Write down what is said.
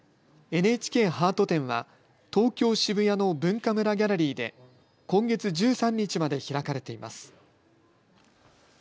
ＮＨＫハート展は東京渋谷のＢｕｎｋａｍｕｒａギャラリーで今月１３日まで開かれています。